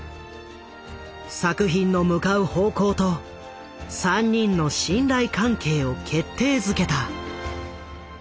作品の向かう方向と３人の信頼関係を決定づけた。